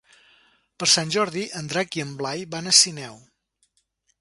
Per Sant Jordi en Drac i en Blai van a Sineu.